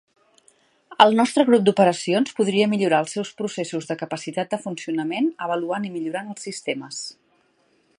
El nostre grup d"operacions podria millorar els seus processos de capacitat de funcionament avaluant i millorants els sistemes.